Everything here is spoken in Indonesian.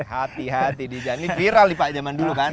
hati hati dijan ini viral nih pak zaman dulu kan